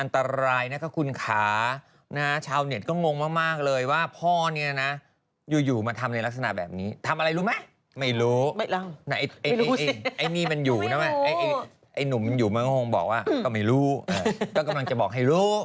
สิ่งดีก็มีเราอย่าไปโม้ยไปหมดอย่าไปเหมาะ